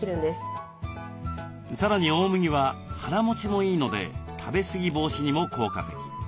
さらに大麦は腹もちもいいので食べ過ぎ防止にも効果的。